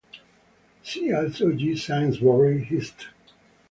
See also G Saintsbury, Hist.